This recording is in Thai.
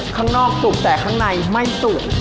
ข้างนอกสุกแต่ข้างในไม่สุก